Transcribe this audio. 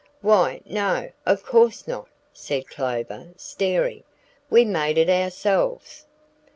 "Why no, of course not," said Clover, staring, "we made it ourselves."